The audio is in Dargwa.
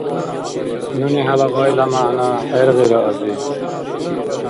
Нуни хӀела гъайла мягӀна хӀергъира, ази.